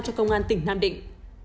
cho công an tỉnh nam định